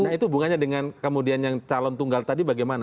nah itu hubungannya dengan kemudian yang calon tunggal tadi bagaimana